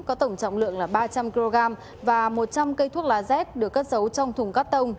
có tổng trọng lượng là ba trăm linh kg và một trăm linh cây thuốc lá z được cất giấu trong thùng cắt tông